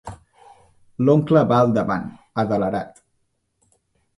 L'oncle va al davant, adelerat.